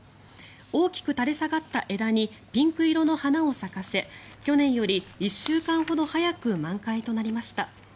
大きく垂れ下がった枝にピンク色の花を咲かせ去年より１週間ほど早く満開となりました。